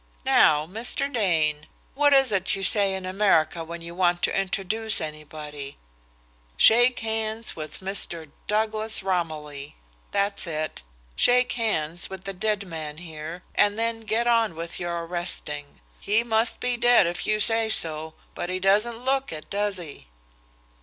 Now, Mr. Dane, what is it you say in America when you want to introduce anybody? shake hands with Mr. Douglas Romilly that's it. Shake hands with the dead man here and then get on with your arresting. He must be dead if you say so, but he doesn't look it, does he?"